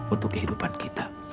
untuk kehidupan kita